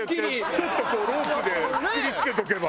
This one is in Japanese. ちょっとこうロープでくくりつけとけば。